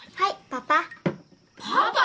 パパ！？